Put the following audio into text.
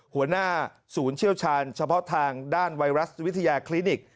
หัวหน้าศูนย์เชี่ยวชาญเฉพาะทางด้านไวรัสวิทยาคลินิก